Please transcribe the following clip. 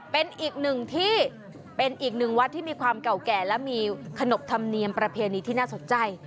เป็นอีกหนึ่งที่เป็นอีกหนึ่งวัดที่มีความเก่าแก่และมีขนบธรรมเนียมประเพณีที่น่าสนใจ